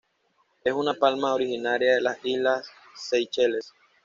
Es una palma originaria de las Islas Seychelles.